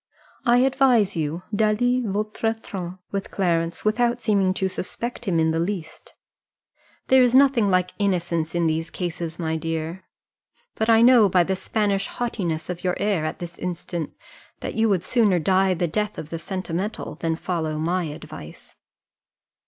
I advise you d'aller votre train with Clarence, without seeming to suspect him in the least; there is nothing like innocence in these cases, my dear: but I know by the Spanish haughtiness of your air at this instant, that you would sooner die the death of the sentimental than follow my advice."